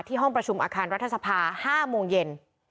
ห้องประชุมอาคารรัฐสภา๕โมงเย็น